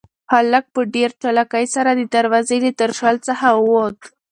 هلک په ډېر چالاکۍ سره د دروازې له درشل څخه ووت.